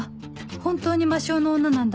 本当に魔性の女なんだ